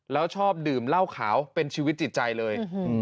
แล้วชอบดื่มเหล้าขาวเป็นชีวิตจิตใจเลย